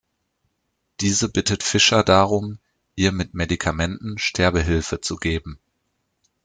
Diese bittet Fisher darum, ihr mit Medikamenten Sterbehilfe zu geben.